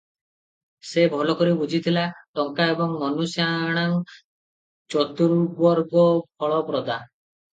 ସେ ଭଲକରି ବୁଝିଥିଲେ "ଟଙ୍କା ଏବଂ ମନୁଷ୍ୟାଣାଂ ଚତୁବର୍ଗଫଳପ୍ରଦା ।